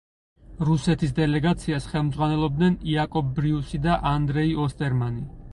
რუსეთის დელეგაციას ხელმძღვანელობდნენ იაკობ ბრიუსი და ანდრეი ოსტერმანი.